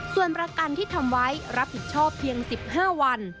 ส่วนประกันที่ทำไว้รับผิดชอบเพียง๑๕วัน